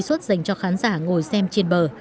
thêm một trăm linh suất dành cho khán giả ngồi xem trên bờ